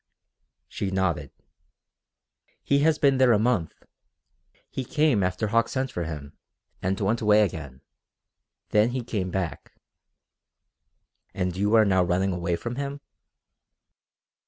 She nodded. "He has been there a month. He came after Hauck sent for him, and went away again. Then he came back." "And you are now running away from him?"